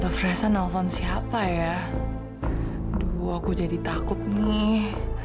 fresh nelfon siapa ya aduh aku jadi takut nih